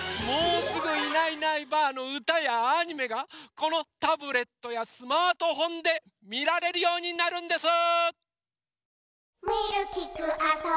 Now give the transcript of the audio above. もうすぐ「いないいないばあっ！」のうたやアニメがこのタブレットやスマートフォンでみられるようになるんです！